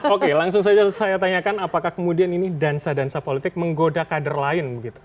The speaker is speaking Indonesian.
oke langsung saja saya tanyakan apakah kemudian ini dansa dansa politik menggoda kader lain